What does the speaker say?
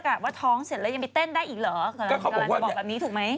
กำลังจะบอกแบบนี้ถูกไหม